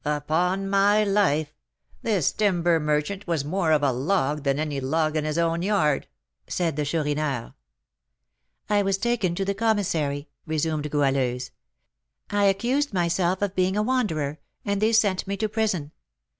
'" "Upon my life, this timber merchant was more of a log than any log in his own yard," said the Chourineur. "I was taken to the commissary," resumed Goualeuse. "I accused myself of being a wanderer, and they sent me to prison.